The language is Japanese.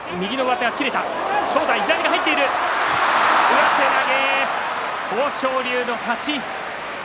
上手投げ、豊昇龍の勝ち。